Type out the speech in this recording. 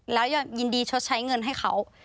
แล้วยินดีชดใช้เงินให้เขา